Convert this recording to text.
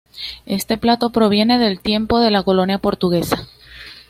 Este plato proviene del tiempo de la colonia portuguesa.